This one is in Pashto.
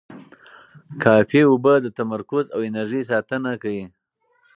کافي اوبه د تمرکز او انرژۍ ساتنه کوي.